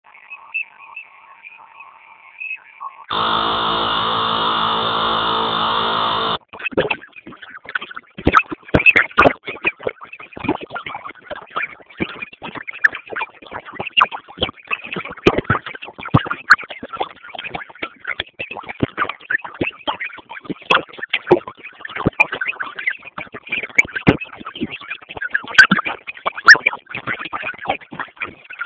Kulingana na bei zilizotangazwa hivi karibuni na Mamlaka ya Udhibiti wa Huduma za Nishati na Maji kuanzia Aprili tarehe sita.